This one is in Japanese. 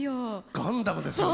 「ガンダム」ですよね。